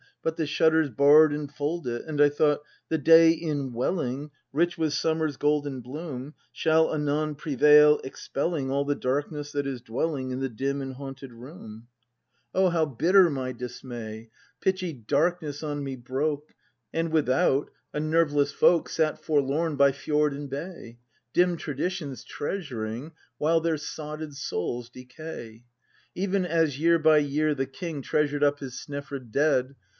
But the shutters barr'd enfold it; And I thought, the day inwelling. Rich with summer's golden bloom. Shall anon prevail, expelling All the darkness that is dwelling In the dim and haunted room. 286 BRAND [act v O how bitter my dismay! Pitchy darkness on me broke, — And, without, a nerveless folk Sat forlorn by fjord and bay, Dim traditions treasuring "While their sotted souls decay. Even as, year by year, the king Treasured up his Snefrid dead.